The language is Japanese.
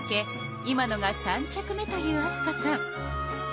今のが３着目という明日香さん。